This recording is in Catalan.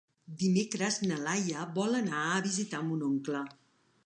Dimecres na Laia vol anar a visitar mon oncle.